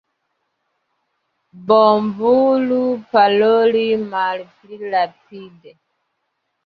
Bonvolu paroli malpli rapide!